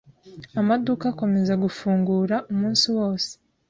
Amaduka akomeza gufungura umunsi wose.